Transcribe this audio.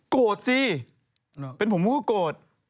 โกรธจริงเป็นผมพูดก็โกรธ